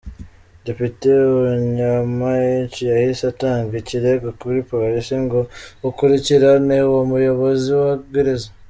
Depite Onyemaechi yahise atanga ikirego kuri polisi ngo ikurikirane uwo muyobozi wa gereza.